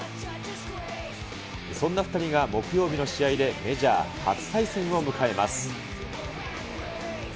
そんな２人が木曜日の試合で、メジャー初対戦を迎えます。